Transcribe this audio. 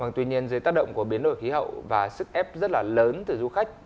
tuy nhiên dưới tác động của biến đổi khí hậu và sức ép rất là lớn từ du khách